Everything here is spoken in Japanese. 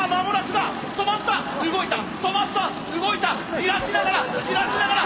じらしながらじらしながら。